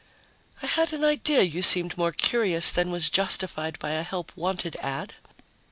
"I had an idea you seemed more curious than was justified by a help wanted ad."